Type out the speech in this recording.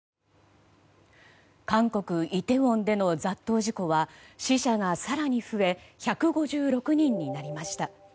韓国イテウォンでの雑踏事故は死者が更に増え１５６人になりました。